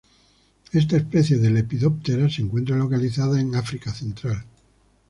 Esta especie de Lepidoptera se encuentra localizada en África central.